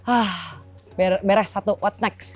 ah beres satu out next